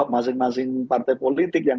biasa dari merging